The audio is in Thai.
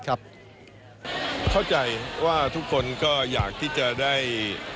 เข้าใจว่าทุกคนก็อยากที่จะได้